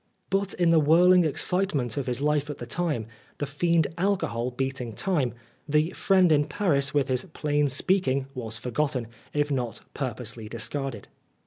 But in the whirling excitement of his life at the time, the fiend alcohol beating time, the friend in Paris with his plain speaking was forgotten, if not purposely discarded.